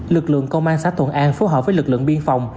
lực lượng công an xã tồn an phối hợp với lực lượng biên phòng